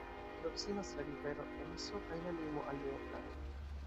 Proksimas la rivero Emso kaj la limo al Nederlando.